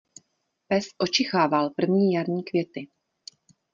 Pes očichával první jarní květy.